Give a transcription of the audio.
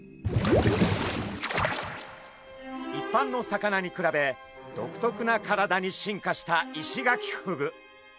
一般の魚に比べ独特な体に進化したイシガキフグ。